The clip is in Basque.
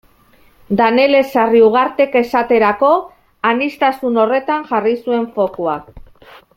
Danele Sarriugartek esaterako aniztasun horretan jarri zuen fokua.